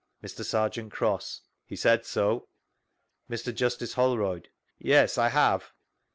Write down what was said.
Mr. Serjeant Cross: He said so. Mr. Justice Holroyd: Yes, I have.